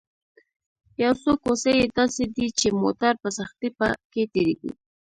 یو څو کوڅې یې داسې دي چې موټر په سختۍ په کې تېرېږي.